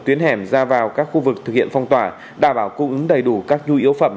tuyến hẻm ra vào các khu vực thực hiện phong tỏa đảm bảo cung ứng đầy đủ các nhu yếu phẩm